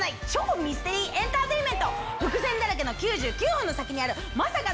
伏線だらけの９９分の先にある。